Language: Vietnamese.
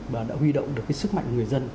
và đã huy động được sức mạnh người dân